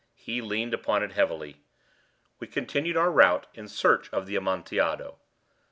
He leaned upon it heavily. We continued our route in search of the Amontillado.